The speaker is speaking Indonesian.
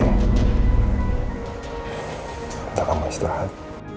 minta kamu istirahat